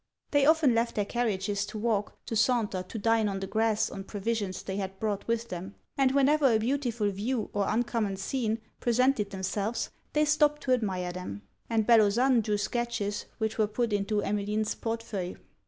They often left their carriages to walk, to saunter, to dine on the grass on provisions they had brought with them; and whenever a beautiful view or uncommon scene presented themselves, they stopped to admire them; and Bellozane drew sketches, which were put into Emmeline's port feuille.